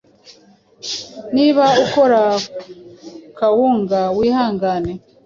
Niba ukora kawunga wihangane